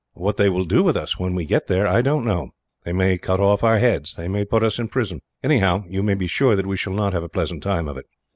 What they will do with us when we get there, I don't know. They may cut off our heads, they may put us in prison; anyhow, you may be sure that we shall not have a pleasant time of it.